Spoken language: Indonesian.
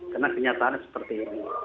karena kenyataan seperti ini